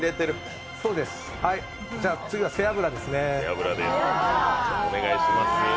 次は背脂ですね。